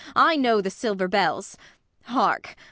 I know the silver bells! Hark!